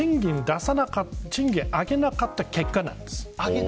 賃金を上げなかった結果なんです。